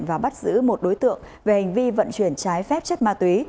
và bắt giữ một đối tượng về hành vi vận chuyển trái phép chất ma túy